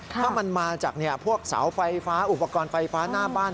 ถ้ามันมาจากพวกเสาไฟฟ้าอุปกรณ์ไฟฟ้าหน้าบ้าน